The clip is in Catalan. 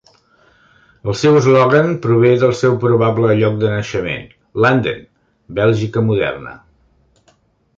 El seu eslògan prové del seu probable lloc de naixement: Landen, Bèlgica moderna.